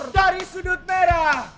dari sudut merah